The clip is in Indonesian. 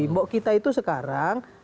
mbok kita itu sekarang